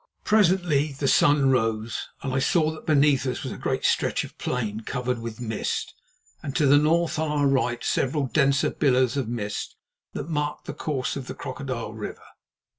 Presently the sun rose, and I saw that beneath us was a great stretch of plain covered with mist, and to the north, on our right, several denser billows of mist that marked the course of the Crocodile River.